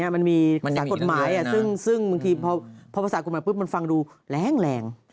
มันมีภาษากฎหมายซึ่งบางทีพอภาษากฎหมายปุ๊บมันฟังดูแรง